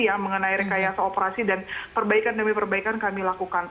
dan perbaikan demi perbaikan kami lakukan